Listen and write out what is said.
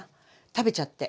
食べちゃって。